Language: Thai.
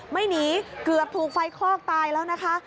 ไม่หนีเกือบถูกไฟคลอกตายแล้วนะคะ